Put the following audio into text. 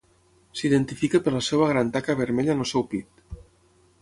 S'identifica per la seva gran taca vermella en el seu pit.